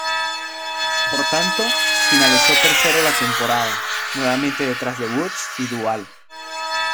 Por tanto, finalizó tercero en la temporada, nuevamente detrás de Woods y Duval.